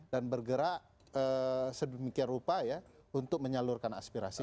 dan bergerak sedemikian rupa ya untuk menyalurkan aspirasi